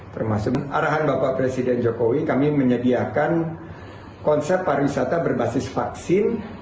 termasuk arahan bapak presiden jokowi kami menyediakan konsep pariwisata berbasis vaksin